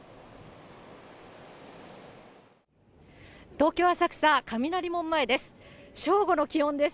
東京・浅草、雷門前です。